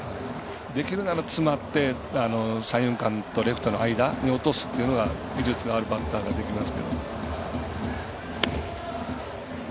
できるなら詰まって三遊間とレフトの間に落とすっていうのが技術のあるバッターができますけど。